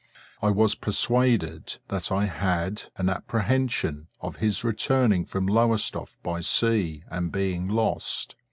I was persuaded that I had an apprehension of his returning from Lowestoft by sea, and being lost.